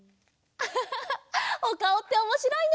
アハハハおかおっておもしろいね。